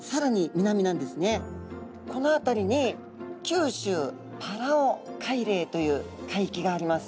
この辺りに九州パラオ海嶺という海域があります。